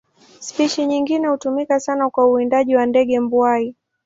Spishi nyingine hutumika sana kwa uwindaji kwa ndege mbuai.